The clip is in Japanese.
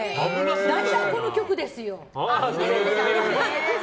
大体この局ですよ。